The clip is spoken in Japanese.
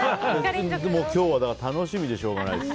今日は楽しみでしょうがないです。